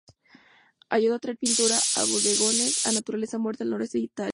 Ayudó a traer pintura de bodegones o naturaleza muerta al noroeste de Italia.